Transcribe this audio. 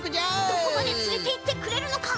どこまでつれていってくれるのか。